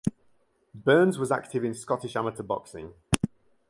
Berns was active in Scottish amateur boxing.